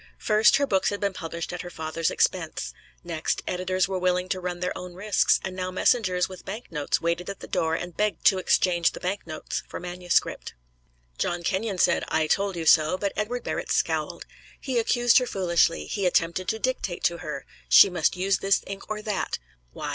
First, her books had been published at her father's expense; next, editors were willing to run their own risks, and now messengers with bank notes waited at the door and begged to exchange the bank notes for manuscript. John Kenyon said, "I told you so," but Edward Barrett scowled. He accused her foolishly; he attempted to dictate to her she must use this ink or that. Why?